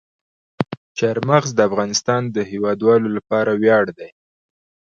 چار مغز د افغانستان د هیوادوالو لپاره ویاړ دی.